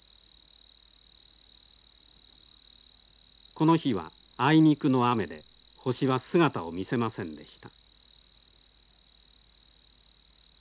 この日はあいにくの雨で星は姿を見せませんでした。